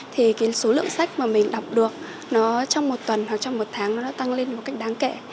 thì cái số lượng sách mà mình đọc được nó trong một tuần hoặc trong một tháng nó đã tăng lên một cách đáng kể